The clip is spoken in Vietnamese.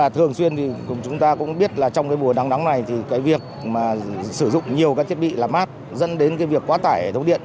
thường xuyên chúng ta cũng biết trong buổi nắng này sử dụng nhiều thiết bị làm mát dẫn đến quá tải thống điện